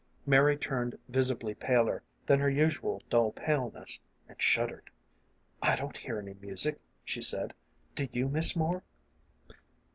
Mary turned visibly paler than her usual dull paleness, and shuddered. " I don't hear any music," she said. " Do you, Miss Moore?"